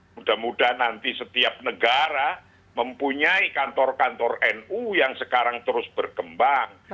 mudah mudahan nanti setiap negara mempunyai kantor kantor nu yang sekarang terus berkembang